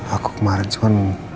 aku kemarin cuman